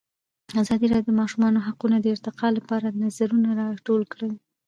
ازادي راډیو د د ماشومانو حقونه د ارتقا لپاره نظرونه راټول کړي.